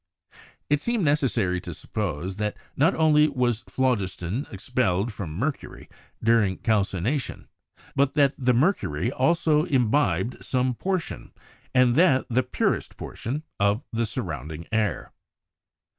It seemed necessary to suppose that not only was phlogiston expelled from mercury during cal cination, but that the mercury also imbibed some portion, and that the purest portion, of the surrounding air.